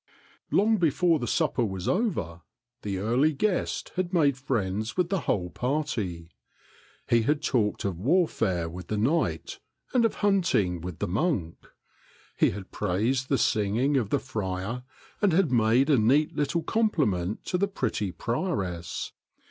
Long before the supper was over, the early guest had made friends with the whole party. He had talked of warfare with the knight and of hunting with the monk. He had praised the singing of the friar and had made a neat little compliment to the pretty pri oress.